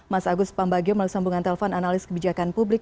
mas agus pambagio melalui sambungan telepon analis kebijakan publik